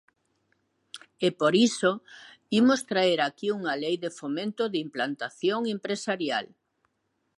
E por iso imos traer aquí unha Lei de fomento de implantación empresarial.